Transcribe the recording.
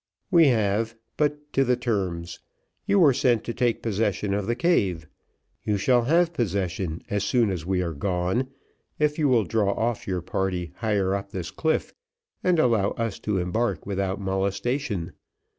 "We have; but to the terms. You were sent to take possession of the cave, you shall have possession as soon as we are gone, if you will draw off your party higher up this cliff and allow us to embark without molestation.